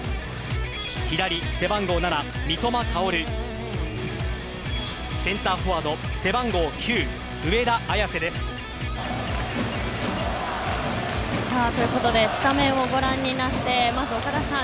左、背番号７・三笘薫センターフォワード背番号９・上田綺世です。ということでスタメンをご覧になってまず岡田さん